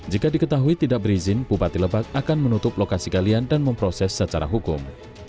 jika diketahui tidak berizin bupati lebak akan menutup lokasi galian dan memproses secara hukum